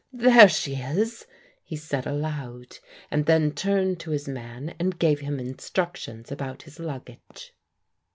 " There she is," he said aloud, and then turned to his man and gave him instructions about his luggage.